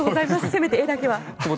せめて絵だけは。